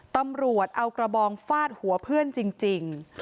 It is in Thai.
ตำรวจเอากระบองฟาดหัวเพื่อนจริง